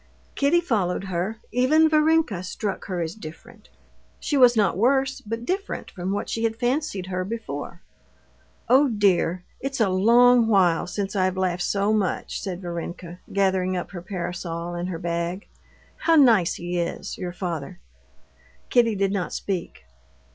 Kitty followed her. Even Varenka struck her as different. She was not worse, but different from what she had fancied her before. "Oh, dear! it's a long while since I've laughed so much!" said Varenka, gathering up her parasol and her bag. "How nice he is, your father!" Kitty did not speak.